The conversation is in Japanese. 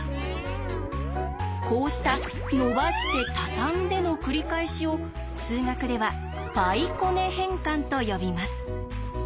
こうしたのばして畳んでの繰り返しを数学では「パイこね変換」と呼びます。